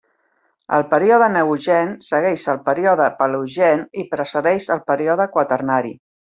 El període Neogen segueix el període Paleogen i precedeix el període Quaternari.